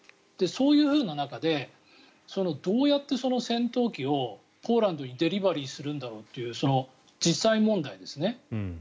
そういう中でどうやって戦闘機をポーランドにデリバリーするんだろうっていう実際問題ですね。